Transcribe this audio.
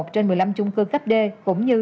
trên một mươi năm chung cư cấp d cũng như